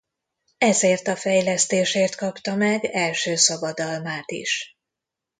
Ezért a fejlesztésért kapta meg első szabadalmát is.